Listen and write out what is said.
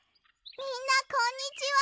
みんなこんにちは！